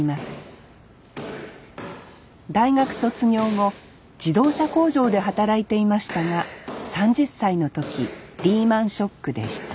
大学卒業後自動車工場で働いていましたが３０歳の時リーマンショックで失業。